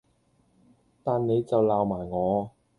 但你就鬧埋我